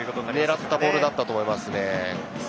狙ったボールだと思います。